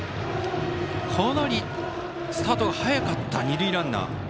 かなりスタートが早かった二塁ランナー。